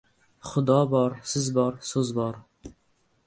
Xudo bor, Siz bor va so‘z bor.